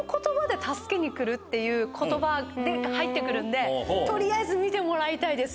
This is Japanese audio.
っていう言葉で入って来るんで取りあえず見てもらいたいです。